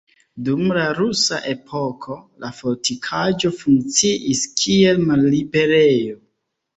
Dum la Rusa epoko la fortikaĵo funkciis kiel malliberejo.